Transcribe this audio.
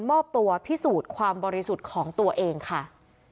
มอบตัวพิสูจน์ความบริสุทธิ์ของตัวเองค่ะ